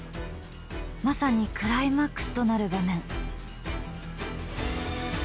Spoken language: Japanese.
まさにクライマックスとなる場面。